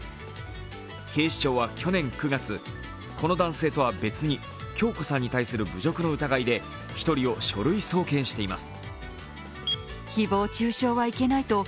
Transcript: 警視庁は去年９月この男性とは別に響子さんに対する侮辱の疑いで１人を書類送検しています。